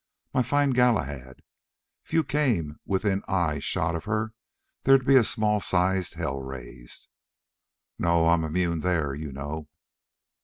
My fine Galahad, if you came within eye shot of her there'd be a small sized hell raised." "No. I'm immune there, you know."